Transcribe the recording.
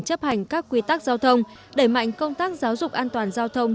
chấp hành các quy tắc giao thông đẩy mạnh công tác giáo dục an toàn giao thông